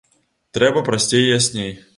Трэба прасцей і ясней.